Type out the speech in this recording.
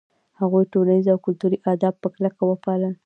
هغوی ټولنیز او کلتوري آداب په کلکه وپالـل.